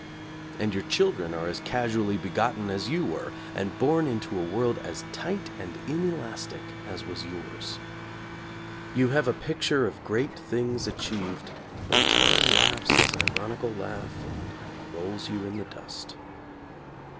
And your children are as casually begotten as you were, and born into a world as tight and inelastic as was yours. You have a picture of great things achieved, but Time laughs his ironical laugh and rolls you in the dust.